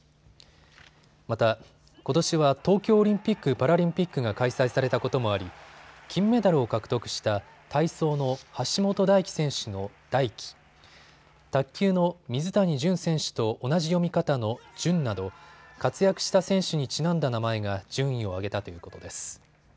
また、ことしは東京オリンピック・パラリンピックが開催されたこともあり金メダルを獲得した体操の橋本大輝選手の大輝、卓球の水谷隼選手と同じ読み方のじゅんなど活躍した選手にちなんだ名前が順位を上げたということです。